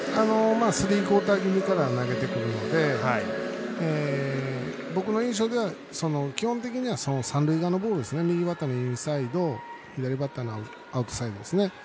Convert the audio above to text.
スリークオーター気味から投げてくるので僕の印象では、基本的には三塁側のボール右バッターのインサイド左バッターのアウトサイドですね。